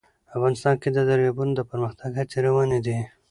افغانستان کې د دریابونه د پرمختګ هڅې روانې دي.